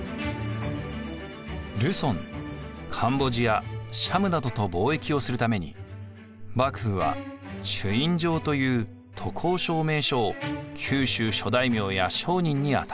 ルソンカンボジアシャムなどと貿易をするために幕府は朱印状という渡航証明書を九州諸大名や商人に与えました。